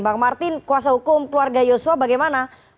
bang martin kuasa hukum keluarga yosua bagaimana